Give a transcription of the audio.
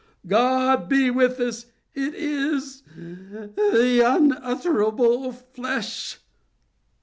—God be with us—it is _the unutterable flesh!"